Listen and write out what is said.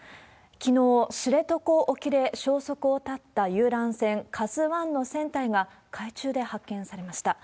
きのう、知床沖で消息を絶った遊覧船、ＫＡＺＵＩの船体が海中で発見されました。